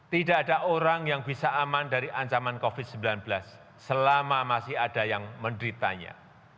tidak ada orang yang bisa aman dari ancaman covid sembilan belas selama masih ada yang menderitanya